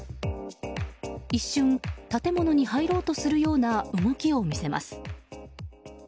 一瞬、建物に入ろうとするような動きを見せます。